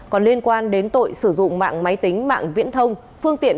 còn liên quan đến tội sử dụng mạng máy tính mạng viễn thông phương tiện